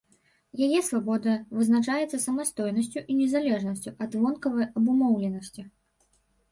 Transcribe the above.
Яе свабода вызначаецца самастойнасцю і незалежнасцю ад вонкавай абумоўленасці.